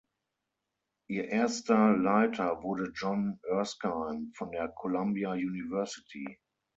Ihr erster Leiter wurde John Erskine von der Columbia University.